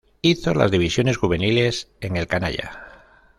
Hizo las divisiones juveniles en el "canalla".